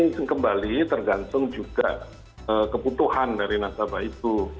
mungkin kembali tergantung juga kebutuhan dari nasabah itu